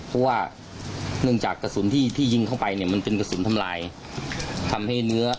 เพราะว่าเนื่องจากกระสุนที่ที่ยิงเข้าไปเนี่ยมันเป็นกระสุนทำลายทำให้เนื้อ